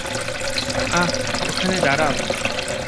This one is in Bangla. আহ, ওখানে দাঁড়াও।